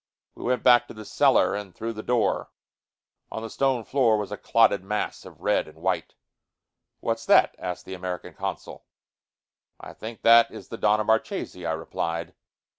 We went back to the cellar and through the door. On the stone floor was a clotted mass of red and white. "What's that?" asked the American consul. "I think that is the Donna Marchesi," I replied.